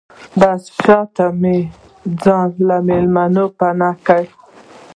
د بس شاته مې ځان له مېلمنو پناه کړ.